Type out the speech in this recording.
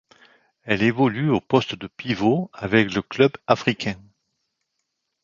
Elle évolue au poste de pivot avec le Club africain.